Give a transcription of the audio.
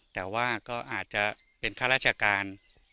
แต่ว่าก็อาจจะเป็นข้าราชการ